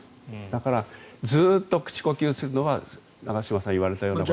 だから、ずっと口呼吸するのは長嶋さんが言われたような。